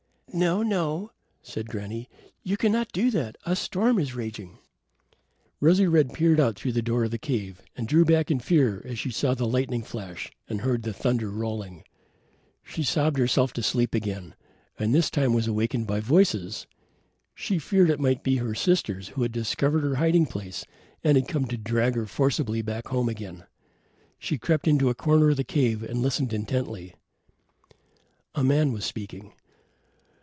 "No, no," said granny. "You cannot do that. A storm is raging." Rosy red peered out through the door of the cave and drew back in fear as she saw the lightning flash and heard the thunder rolling. She sobbed herself to sleep again, and this time was awakened by voices. She feared it might be her sisters who had discovered her hiding place and had come to drag her forcibly back home again. So she crept into a corner of the cave and listened intently. A man was speaking.